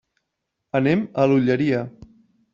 Anem a l'Olleria.